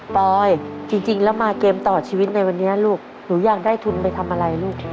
ปอยจริงแล้วมาเกมต่อชีวิตในวันนี้ลูกหนูอยากได้ทุนไปทำอะไรลูก